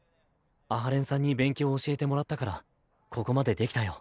阿波連さんに勉強教えてもらったからここまでできたよ。